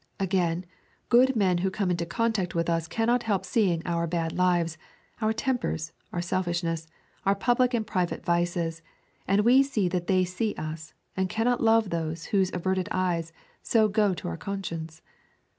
Again, good men who come into contact with us cannot help seeing our bad lives, our tempers, our selfishness, our public and private vices; and we see that they see us, and we cannot love those whose averted eye so goes to our conscience.